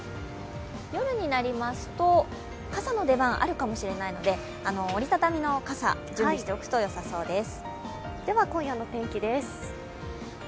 夜になりますと、傘の出番、あるかもしれないので折り畳みの傘、準備しておくとよさそうです。